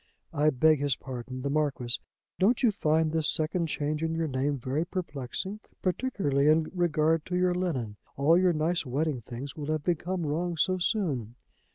I beg his pardon, the Marquis. Don't you find this second change in your name very perplexing, particularly in regard to your linen? All your nice wedding things will have become wrong so soon!